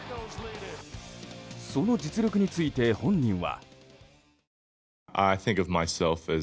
その実力について本人は。